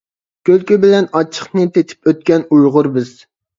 كۈلكە بىلەن ئاچچىقنى، تېتىپ ئۆتكەن ئۇيغۇر بىز.